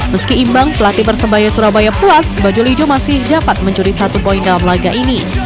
meski imbang pelatih persebaya surabaya puas baju lijo masih dapat mencuri satu poin dalam laga ini